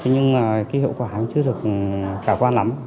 nhưng cái hiệu quả chưa được khả quan lắm